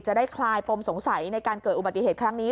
คลายปมสงสัยในการเกิดอุบัติเหตุครั้งนี้